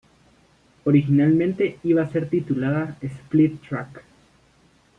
Originalmente, iba a ser titulada "Split Track".